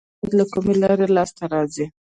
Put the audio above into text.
د دولت عواید له کومې لارې لاسته راځي؟